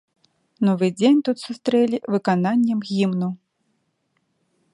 Новы дзень тут сустрэлі выкананнем гімну.